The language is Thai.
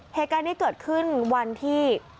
เหตุการณ์นี้เกิดขึ้นวันที่